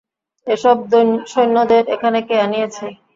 এ-সব সৈন্যদের এখানে কে আনিয়াছে?